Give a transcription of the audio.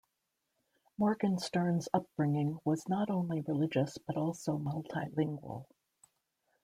Morgenstern's upbringing was not only religious but also multilingual.